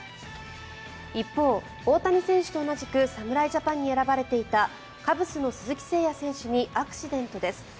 一方、大谷選手と同じく侍ジャパンに選ばれていたカブスの鈴木誠也選手にアクシデントです。